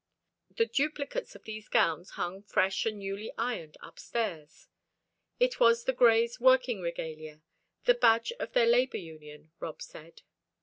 The duplicates of these gowns hung, fresh and newly ironed, upstairs; it was the Greys' working regalia, "the badge of their labor union," Rob said.